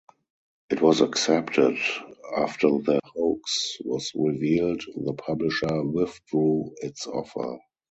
It was accepted; after the hoax was revealed, the publisher withdrew its offer.